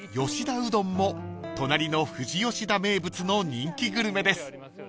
［吉田うどんも隣の富士吉田名物の人気グルメです］